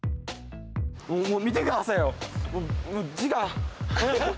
もう見て下さいよ！